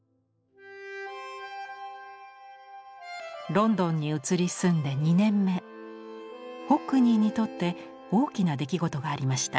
ロンドンに移り住んで２年目ホックニーにとって大きな出来事がありました。